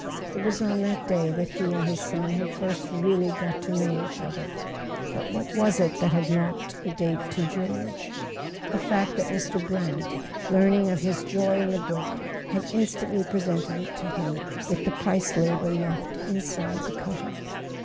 It was on that day that he and his son had first really got to know each other; but what was it that had marked the date to George ? The fact that Mr. Brant, learning of his joy in the book, had instantly presented it to him—with the price label left inside the cover.